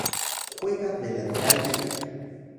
Juega de lateral Derecho.